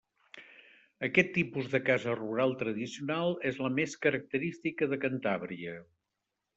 Aquest tipus de casa rural tradicional és la més característica de Cantàbria.